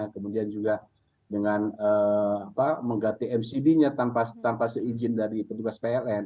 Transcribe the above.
kemudian juga dengan mengganti mcd nya tanpa seizin dari petugas pln